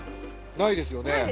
ないですよね。